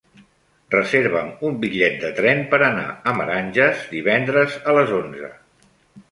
Reserva'm un bitllet de tren per anar a Meranges divendres a les onze.